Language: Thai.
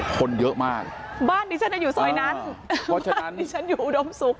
คนเยอะมากบ้านที่ฉันจะอยู่ซอยนั้นบ้านที่ฉันอยู่อุดมศุกร์